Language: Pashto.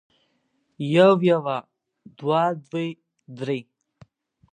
يو يوه دوه دوې درې